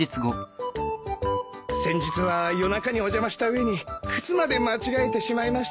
先日は夜中にお邪魔した上に靴まで間違えてしまいまして。